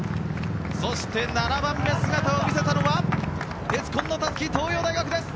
そして、７番目姿を見せたのは鉄紺のたすき、東洋大学です。